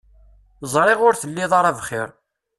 Ẓriɣ ur telliḍ ara bxiṛ.